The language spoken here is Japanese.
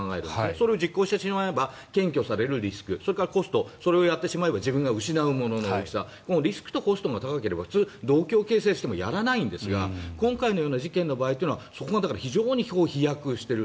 それを実行してしまえば検挙されるリスク、コストそれをやってしまえば失うものの大きさリスクとコストが高ければ普通、動機を形成してもやらないんですが今回のような事件の場合はそれが非常に飛躍している。